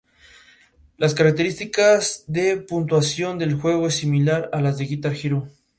Se licenció en periodismo por la Universitat Ramon Llull.